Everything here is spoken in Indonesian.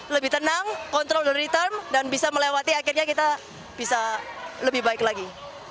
lebih tenang control dari return dan bisa melewati akhirnya kita bisa lebih baik lagi